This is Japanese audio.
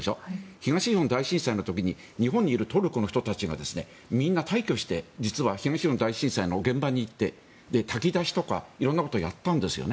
東日本大震災の時に日本にいるトルコの人たちがみんな大挙して実は東日本大震災の現場に行って炊き出しとか色んなことをやったんですよね。